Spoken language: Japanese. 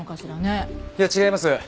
いや違います。